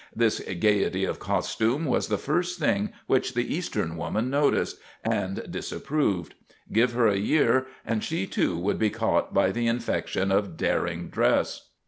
This gaiety of costume was the first thing which the Eastern woman noticed and disapproved. Give her a year, and she, too, would be caught by the infection of daring dress.